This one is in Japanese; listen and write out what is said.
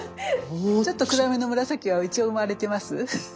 ちょっと暗めの紫は一応生まれてます？